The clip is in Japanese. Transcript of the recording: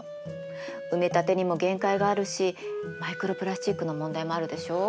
埋め立てにも限界があるしマイクロプラスチックの問題もあるでしょう。